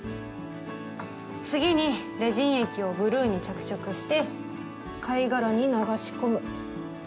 次にレジン液をブルーに着色して貝殻に流し込む。